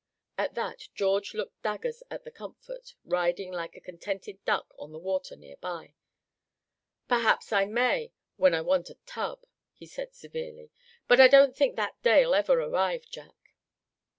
At that George looked daggers at the Comfort, riding like a contented duck on the water near by. "Perhaps I may, when I want a tub," he said, severely; "but I don't think that day'll ever arrive, Jack."